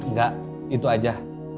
nggak itu aja